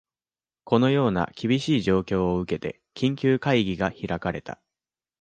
このような厳しい状況を受けて、緊急会議が開かれた